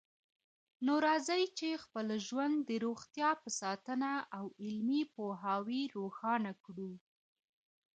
نو راځئ چې خپل ژوند د روغتیا په ساتنه او علمي پوهاوي روښانه کړو